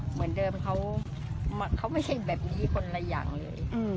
เหมือนเดิมเขาไม่ใช่แบบนี้คนละอย่างเลย